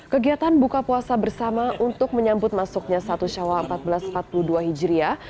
kegiatan buka puasa bersama untuk menyambut masuknya satu syawal seribu empat ratus empat puluh dua hijriah